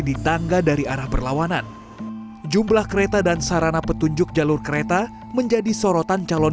di tangga dari arah berlawanan jumlah kereta dan sarana petunjuk jalur kereta menjadi sorotan calon